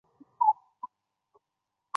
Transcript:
史学家李铭汉次子。